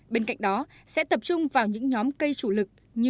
bên cạnh đó sẽ tập trung vào những nhóm cây chủ lực như